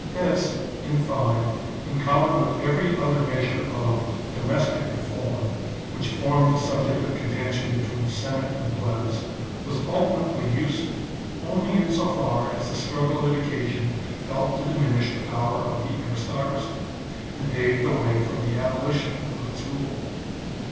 This, in fine, in common with every other measure of domestic reform, which formed the subject of contention be tween Senate and Plebs, was ultimately useful only in so far as the struggle it occasioned helped to diminish the power of the aristocracy, and paved the way for the abolition of its" rule.